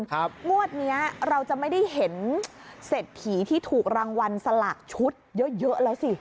งวดเนี้ยเราจะไม่ได้เห็นเศรษฐีที่ถูกรางวัลสลากชุดเยอะเยอะแล้วสิ